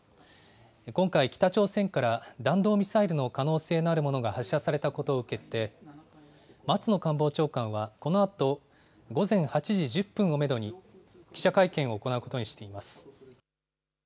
今回、北朝鮮から弾道ミサイルの可能性があるものが発射されたことを受けて、松野官房長官はこのあと午前８時１０分をメドに、記者会見を行うことにしています。